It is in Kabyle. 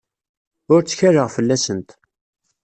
Ur ttkaleɣ fell-asent.